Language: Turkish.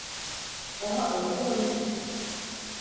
Daha önce tanışmıştık.